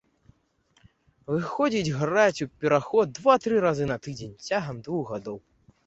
Выходзіць граць у пераход два-тры разы на тыдзень цягам двух гадоў.